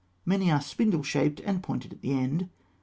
Many are spindle shaped and pointed at the end (fig.